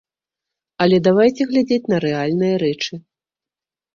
Але давайце глядзець на рэальныя рэчы.